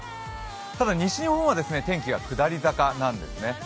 ただ西日本は天気が下り坂なんですね。